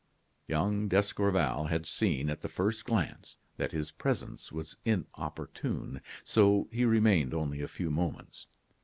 Young d'Escorval had seen, at the first glance, that his presence was inopportune, so he remained only a few moments.